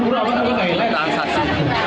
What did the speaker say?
berikan kemudahan dalam berbelanja dan berkonsumsi